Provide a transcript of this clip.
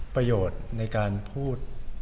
ประโยชน์ในการพูด